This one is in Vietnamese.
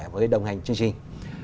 với đồng hành chương trình